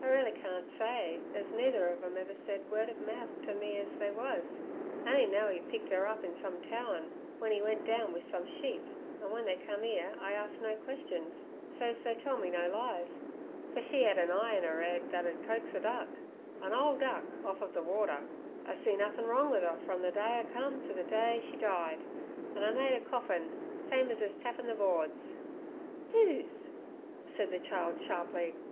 I reelly can't say, ez neither ov 'em ever said word ov mouth ter me ez they was. I on'y know 'e picked 'er up in some towen, w'en 'e went down wi' some sheep, an' w'en they come 'ere I arst no questions, so's they tell me no lies, fer she'd an eye in 'er 'ead thet 'ud coax a duck—a nole duck—off ov the water. I see nothin' wrong wi' 'er frum ther day 'er come to ther day she died, an' I made 'er coffin—same uz 'is' tapping the boards. 'Whose?' said the child sharply.